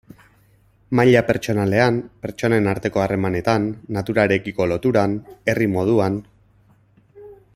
Maila pertsonalean, pertsonen arteko harremanetan, naturarekiko loturan, herri moduan...